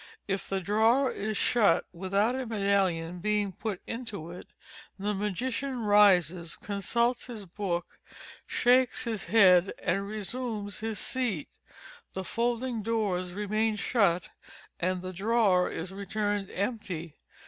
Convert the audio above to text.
If the drawer is shut without a medallion being put into it, the magician rises, consults his book, shakes his head, and resumes his seat. The folding doors remain shut, and the drawer is returned empty.